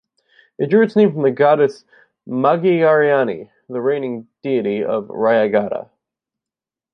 It drew its name from the Goddess Maghighariani, the reigning deity of Rayagada.